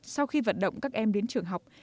sau khi vận động các em đến trường học